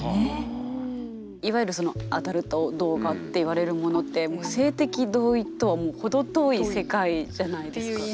いわゆるそのアダルト動画っていわれるものってもう性的同意とはもう程遠い世界じゃないですか。